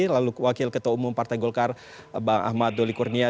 lalu wakil ketua umum partai golkar bang ahmad doli kurnia